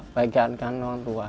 bagikan kan orang tua